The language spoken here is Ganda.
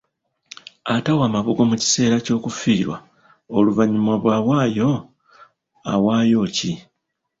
Atawa mabugo mu kiseera ky'okufiirwa, oluvannyuma bwawaayo, awaayo ki?